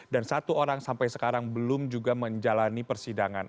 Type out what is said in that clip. dan satu orang sampai sekarang belum juga menjalani persidangan